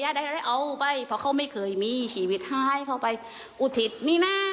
ได้เอาไปเพราะเขาไม่เคยมีชีวิตหายเข้าไปอุทิศนี่นะ